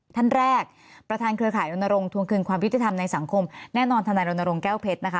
ท่านแรกประธานเครือข่ายรณรงควงคืนความยุติธรรมในสังคมแน่นอนธนายรณรงค์แก้วเพชรนะคะ